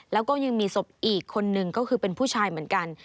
แล้วก็ยังมีศพอีกคนนึงก็คือเป็นผู้ชายเหมือนกัน